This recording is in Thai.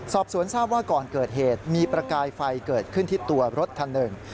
สอบสวนทราบว่าก่อนเกิดเหตุมีประกายไฟเกิดขึ้นที่ตัวรถคันหนึ่ง